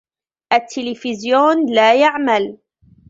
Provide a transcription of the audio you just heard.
التلفزيون لا يعمل.